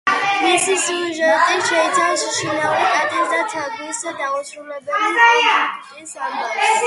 მისი სიუჟეტი შეიცავს შინაური კატისა და თაგვის დაუსრულებელი კონფლიქტის ამბავს.